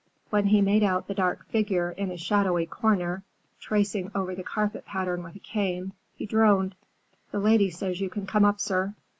When he made out the dark figure in a shadowy corner, tracing over the carpet pattern with a cane, he droned, "The lady says you can come up, sir."